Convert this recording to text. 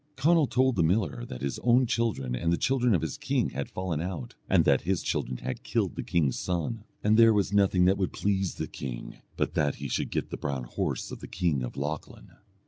Conall told the miller that his own children and the children of his king had fallen out, and that his children had killed the king's son, and there was nothing that would please the king but that he should get the brown horse of the king of Lochlann.